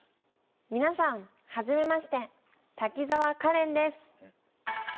皆さんはじめまして滝沢カレンです。